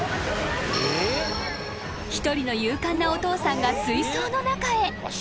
［一人の勇敢なお父さんが水槽の中へ］